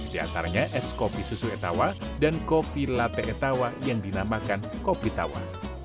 di antaranya es kopi susu etawa dan kopi latte etawa yang dinamakan kopi tawa